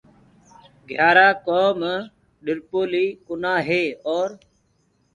گھِيآرآ ڪوم ڏرِپوليٚ ڪونآئي اور